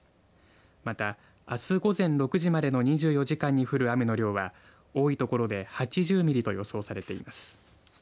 また、あす午前６時までの２４時間に降る雨の量は多い所で８０ミリと予想されています。